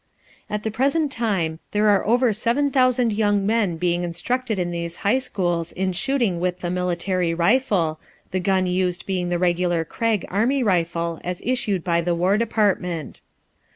At the present time there are over 7,000 young men being instructed in these high schools in shooting with a military rifle, the gun used being the regular Krag army rifle as issued by the War Department.